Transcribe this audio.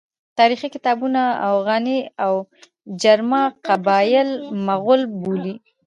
تاریخي کتابونه اوغاني او جرما قبایل مغول بولي.